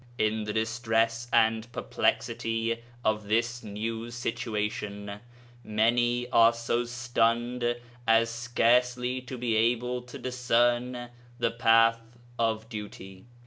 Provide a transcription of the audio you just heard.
In the distress and perplexity of this new situation, many are so stunned as scarcely to be able to discern the path of duty.